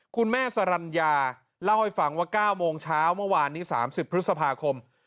สรรญาเล่าให้ฟังว่า๙โมงเช้าเมื่อวานนี้๓๐พฤษภาคม